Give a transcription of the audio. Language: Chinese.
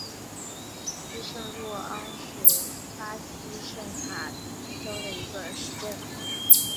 西圣若昂是巴西圣卡塔琳娜州的一个市镇。